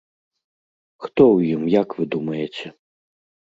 Хто ў ім, як вы думаеце?